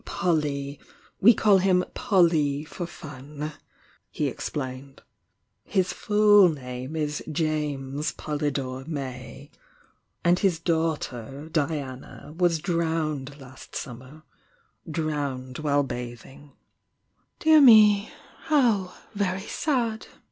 "Polly— we call him Polly for fun," he explained. "His full name is James Polydore May. And hia daughter, Diana, was drowned last summer — drowned while bathing." "Dear me, how very sad!"